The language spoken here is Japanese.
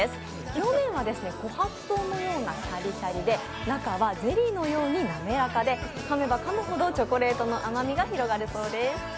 表面は琥珀糖のようにシャリシャリで中はゼリーのように滑らかで、かめばかむほどチョコレートの甘みが広がるそうです。